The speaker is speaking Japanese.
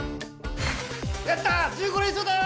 やったあ１５連勝だよ。